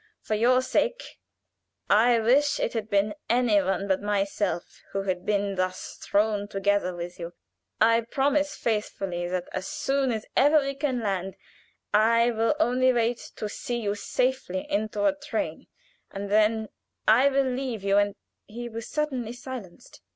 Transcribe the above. For your sake, I wish it had been any one but myself who had been thus thrown together with you. I promise you faithfully that as soon as ever we can land I will only wait to see you safely into a train and then I will leave you and " He was suddenly silenced.